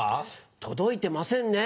届いてませんね。